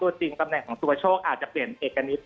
ตัวจริงตำแหน่งของสุประโชคอาจจะเปลี่ยนเอกณิต